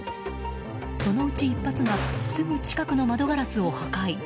そのうち１発がすぐ近くの窓ガラスを破壊。